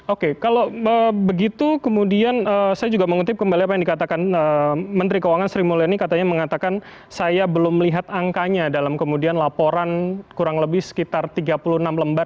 oke kalau begitu kemudian saya juga mengutip kembali apa yang dikatakan menteri keuangan sri mulyani katanya mengatakan saya belum melihat angkanya dalam kemudian laporan kurang lebih sekitar tiga puluh enam lembar